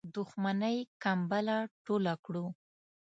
دښمنی کمبله ټوله کړو.